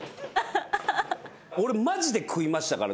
俺マジで食いましたから。